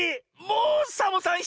もうサボさん